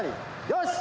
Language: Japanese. よし！